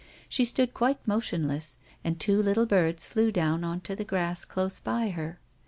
She stood quite motionless, and two little birds flew down on to the grass close by her.